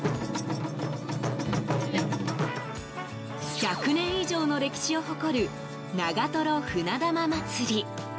１００年以上の歴史を誇る長瀞船玉まつり。